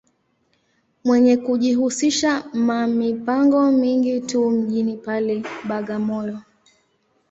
Mwenye kujihusisha ma mipango mingi tu mjini pale, Bagamoyo.